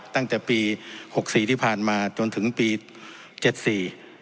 ตั้งแต่ปีหกสี่ที่ผ่านมาจนถึงปีเจ็ดสี่